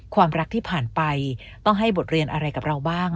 ความรักที่ผ่านไปต้องให้บทเรียนอะไรกับเราบ้าง